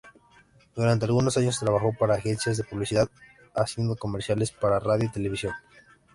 Durante algunos años trabajo para Agencias de Publicidad haciendo comerciales para radio y televisión.